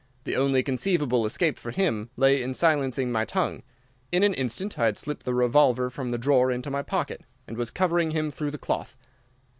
The only conceivable escape for him lay in silencing my tongue. In an instant I had slipped the revolver from the drawer into my pocket, and was covering him through the cloth.